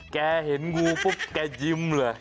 แกเห็นงูปุ๊บแกยิ้มเลย